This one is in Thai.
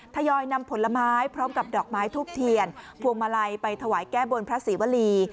ทยอยนำผลไม้พร้อมกับดอกไม้ทูบเทียนพวงมาลัยไปถวายแก้บนพระศรีวรี